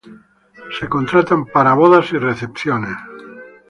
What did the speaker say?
Se contratan para bodas y recepciones.